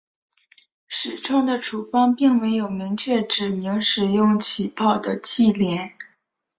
始创的处方并没有明确指明使用起泡的忌廉。